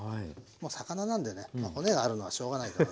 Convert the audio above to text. もう魚なんでね骨があるのはしょうがないかな。